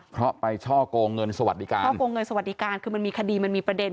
เพราะไปช่อกงเงินสวัสดิการช่อกงเงินสวัสดิการคือมันมีคดีมันมีประเด็น